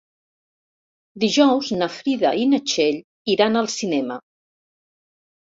Dijous na Frida i na Txell iran al cinema.